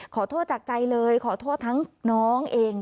ขอโทษจากใจเลยขอโทษทั้งน้องเอง